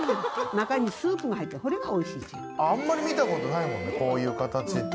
すごい！あんまり見たことないもんねこういう形って。